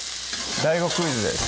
ＤＡＩＧＯクイズです